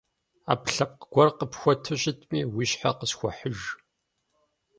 Ӏэпкълъэпкъ гуэр къыпхуэту щытми уи щхьэ къысхуэхьыж.